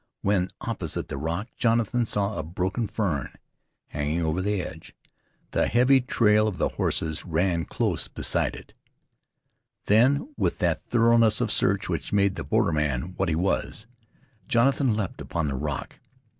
When opposite the rock Jonathan saw a broken fern hanging over the edge. The heavy trail of the horses ran close beside it. Then with that thoroughness of search which made the borderman what he was, Jonathan leaped upon the rock.